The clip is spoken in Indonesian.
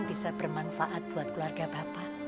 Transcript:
bisa bermanfaat buat keluarga bapak